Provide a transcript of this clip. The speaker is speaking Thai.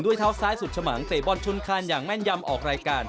เท้าซ้ายสุดฉมังเตะบอลชนคานอย่างแม่นยำออกรายการ